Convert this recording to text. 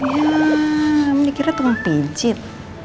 ya menikirnya tuh mau pijit